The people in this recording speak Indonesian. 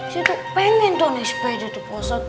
saya tuh pengen tuh main sepeda pak ustadz